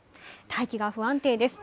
大気が不安定です。